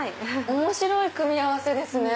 面白い組み合わせですね。